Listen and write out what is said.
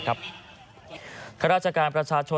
ข้าราชการประชาชน